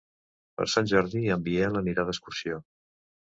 Per Sant Jordi en Biel anirà d'excursió.